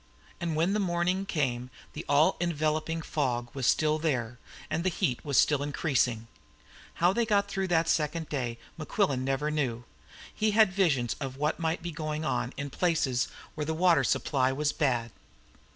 And when the morning came the all enveloping fog was still there, and the heat was still increasing. How they got through that second day Mequillen never knew. He had visions of what might be going on in places where the water supply was bad.